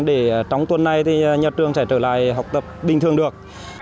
để trong tuần này thì nhà trường sẽ trở lại học tập bình thường được